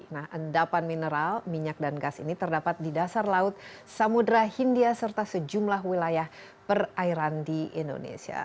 nah endapan mineral minyak dan gas ini terdapat di dasar laut samudera hindia serta sejumlah wilayah perairan di indonesia